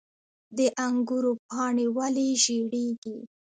د انګورو پاڼې ولې ژیړیږي؟